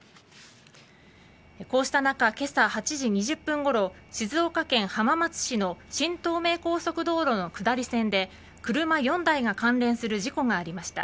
こうした中、今朝８時２０分ごろ静岡県浜松市の新東名高速道路の下り線で車４台が関連する事故がありました。